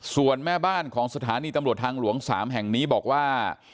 ส่วนแม่บ้านของสถานีตำรวจทางหลวง๓แห่งนี้บอกว่า